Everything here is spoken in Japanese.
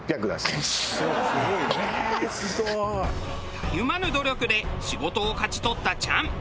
たゆまぬ努力で仕事を勝ち取ったチャン。